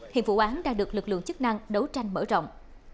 hiện vụ án đang được lực lượng chức năng đấu tranh mở rộng